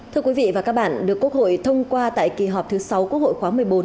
thưa quý vị và các bạn được quốc hội thông qua tại kỳ họp thứ sáu quốc hội khóa một mươi bốn